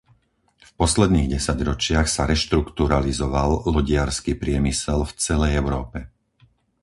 V posledných desaťročiach sa reštrukturalizoval lodiarsky priemysel v celej Európe.